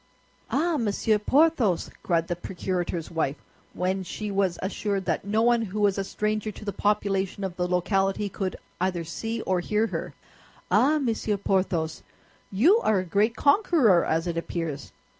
"Ah, Monsieur Porthos," cried the procurator's wife, when she was assured that no one who was a stranger to the population of the locality could either see or hear her, "ah, Monsieur Porthos, you are a great conqueror, as it appears!"